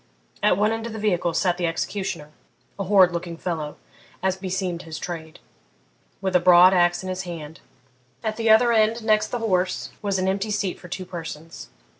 At one end of the vehicle sat the executioner, a horrid looking fellow, as beseemed his trade, with the broad axe in his hand; at the other end, next the horse, was an empty seat for two persons.